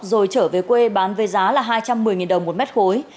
rồi trở về quê bán về giá là hai trăm một mươi đồng một m khối